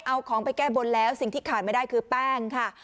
เอาของไปแก้บนแล้วสิ่งที่ขาดไม่ได้คือแป้งค่ะ